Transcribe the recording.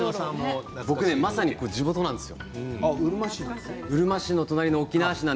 まさに地元なんですよ。